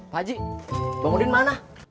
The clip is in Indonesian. pak haji bang udin mana